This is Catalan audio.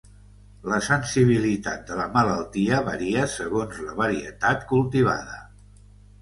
La sensibilitat de la malaltia varia segons la varietat cultivada.